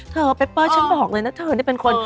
เปเปอร์ฉันบอกเลยนะเธอนี่เป็นคน